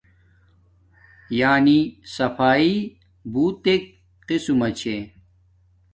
یانی صفایݵ بوتک قسمہ چھے